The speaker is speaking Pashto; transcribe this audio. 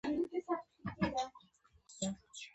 کله چې افغانستان کې ولسواکي وي هر څوک حق لري.